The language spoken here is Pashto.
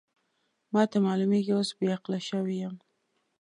ما ته معلومېږي اوس بې عقله شوې یم.